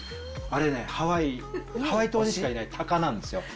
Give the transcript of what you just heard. あれね、ハワイ島にしかいない鷹なんですよ。